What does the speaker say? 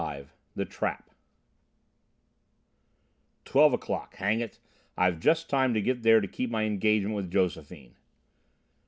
XXV THE TRAP "Twelve o'clock! Hang it! I've just time to get there to keep my engagement with Josephine."